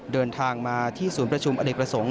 เดินทางมาที่ศูนย์ประชุมอเนกประสงค์